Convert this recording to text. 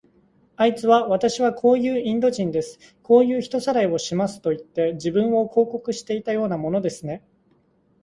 あいつは、わたしはこういうインド人です。こういう人さらいをしますといって、自分を広告していたようなものですね。